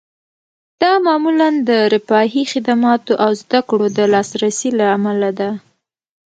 دا معمولاً د رفاهي خدماتو او زده کړو د لاسرسي له امله ده